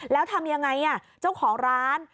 แล้วทำยังไงเจ้าของร้าน